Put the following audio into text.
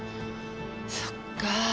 そっか。